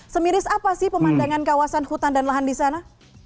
semiris apa sih pemandangan kawasan hutan dan lahan di sana